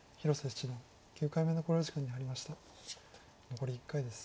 残り１回です。